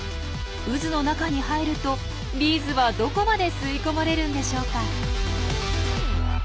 渦の中に入るとビーズはどこまで吸い込まれるんでしょうか？